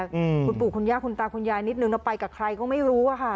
อืมคุณปู่คุณย่าคุณตาคุณยายนิดนึงเราไปกับใครก็ไม่รู้อ่ะค่ะ